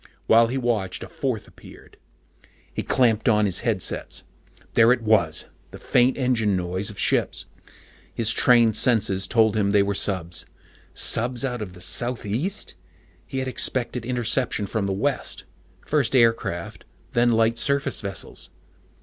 While he watched, a fourth appeared. He clamped on his headsets. There it was! The faint engine noise of ships. His trained senses told him they were subs. Subs out of the southeast? He had expected interception from the west first aircraft, then light surface vessels.